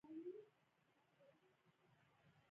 دواړه ورغلو.